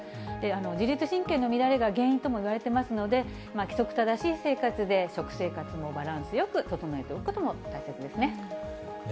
自律神経の乱れが原因ともいわれていますので、規則正しい生活で、食生活もバランスよく整えておくことも大切ですね。